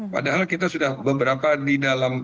padahal kita sudah beberapa di dalam